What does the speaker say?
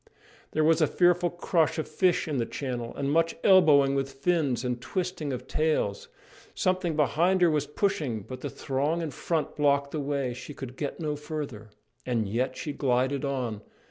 There was a fearful crush of fish in the channel, and much elbowing with fins and twisting of tails. Something behind her was pushing, but the throng in front blocked the way: she could get no farther. And yet she glided on!